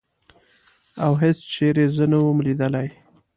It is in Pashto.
او هېڅ چېرې زه نه وم لیدلې.